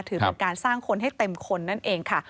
ถือเป็นการสร้างคนให้เต็มคนนั่นเองค่ะ